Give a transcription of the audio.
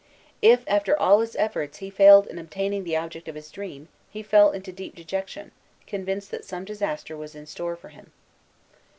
If, after all his efforts, he failed in obtaining the object of his dream, he fell into a deep dejection, convinced that some disaster was in store for him.